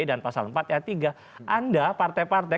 dan pasal empat ayat tiga anda partai partai